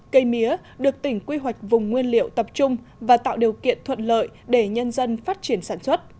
cây mía được tỉnh quy hoạch vùng nguyên liệu tập trung và tạo điều kiện thuận lợi để nhân dân phát triển sản xuất